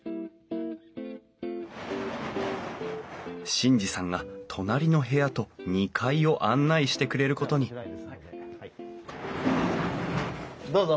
眞二さんが隣の部屋と２階を案内してくれることにどうぞ。